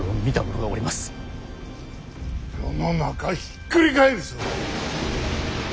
世の中ひっくり返るぞ。